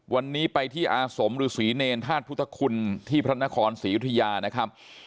วันนี้ไปที่อาสมฤษีเนรธาตุพุทธคุณที่พระนครศรียุธยานะครับ